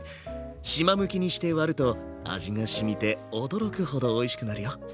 しまむきにして割ると味がしみて驚くほどおいしくなるよ。